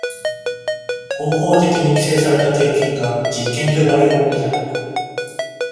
方法的に規制された経験が実験と呼ばれるものである。